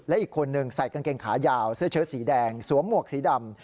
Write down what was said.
และอีกคนนึงใส่กางเกงขายาวเสื้อเชิดสีแดงสวมหมวกสีดำ